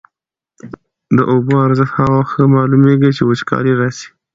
د اوبو ارزښت هغه وخت ښه معلومېږي چي وچکالي راسي.